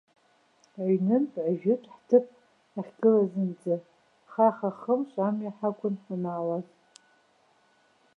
Аҩнынтә ажәытә ҳҭыԥ ахьгылазынӡа хаха-хымш амҩа ҳақәын ҳанаауаз.